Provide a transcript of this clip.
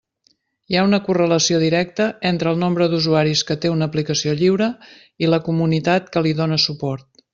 Hi ha una correlació directa entre el nombre d'usuaris que té una aplicació lliure i la comunitat que li dóna suport.